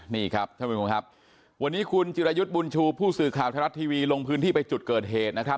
นี่ครับวันนี้คุณจิรายุทธ์บุญชูผู้สื่อข่าวทะลัดทีวีลงพื้นที่ไปจุดเกิดเหตุนะครับ